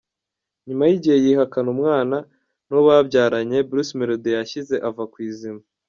Nyuma y’igihe yihakana umwana n’uwo bamubyaranye, Bruce Melodie yashyize ava ku izima.